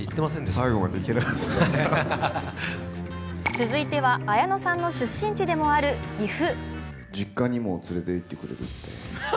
続いては、綾野さんの出身地でもある、岐阜。